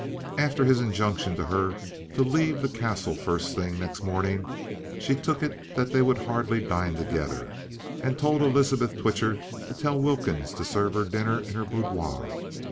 After his injunction to her to leave the Castle first thing next morning, she took it that they would hardly dine together, and told Elizabeth Twitcher to tell Wilkins to serve her dinner in her boudoir.